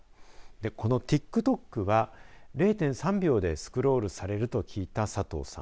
このＴｉｋＴｏｋは０．３秒でスクロールされると聞いた佐藤さん。